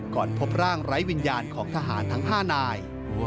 พบร่างไร้วิญญาณของทหารทั้ง๕นาย